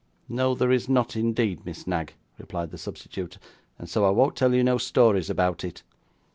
'No there is not, indeed, Miss Knag,' replied the substitute; 'and so I won't tell you no stories about it.